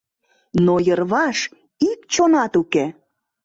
Но йырваш ик чонат уке.